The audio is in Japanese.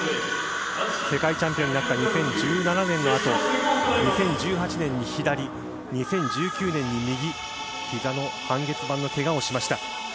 世界チャンピオンになった２０１７年のあと２０１８年に左２０１９年に右のひざの半月板のけがをしました。